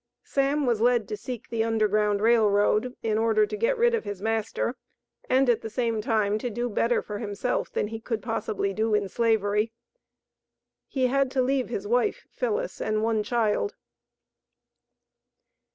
Sam was led to seek the Underground Rail Road, in order to get rid of his master and, at the same time, to do better for himself than he could possibly do in Slavery. He had to leave his wife, Phillis, and one child.